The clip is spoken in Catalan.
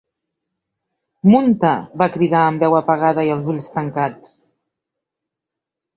Munta! —va cridar amb veu apagada i els ulls tancats.